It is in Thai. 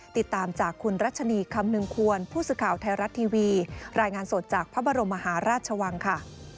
ติดตามจากคุณรัชนีคำนึงควรผู้สื่อข่าวไทยรัฐทีวีรายงานสดจากพระบรมมหาราชวังค่ะ